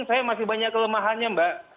saya masih banyak kelemahannya mbak